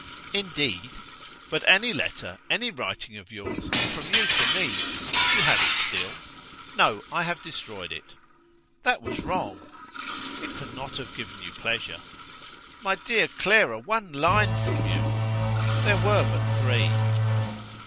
"Indeed? But any letter, any writing of yours, and from you to me! You have it still?" "No, I have destroyed it." "That was wrong." "It could not have given you pleasure." "My dear Clara, one line from you!" "There were but three."